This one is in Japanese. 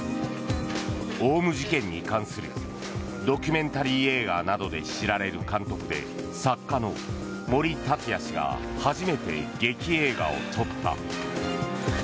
オウム事件に関するドキュメンタリー映画などで知られる監督で作家の森達也氏が初めて劇映画を撮った。